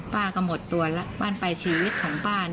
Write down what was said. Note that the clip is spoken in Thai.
ป้าก็หมดตัวแล้วบ้านปลายชีวิตของป้า